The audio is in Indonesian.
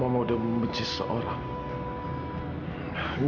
kalau mama udah membenci seseorang